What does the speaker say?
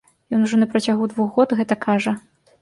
Ён ужо на працягу двух год гэта кажа.